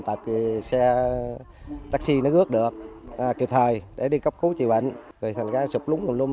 tật thì xe taxi nó rước được kịp thời để đi cấp cứu trị bệnh về thành cán sụt lúng nguồn lụng